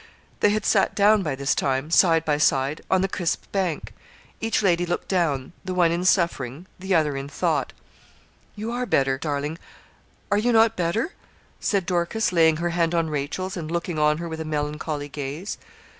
They had sat down, by this time, side by side, on the crisp bank. Each lady looked down, the one in suffering, the other in thought. 'You are better, darling; are not you better?' said Dorcas, laying her hand on Rachel's, and looking on her with a melancholy gaze.